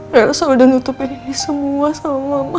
nielsa udah nutupin ini semua sama mama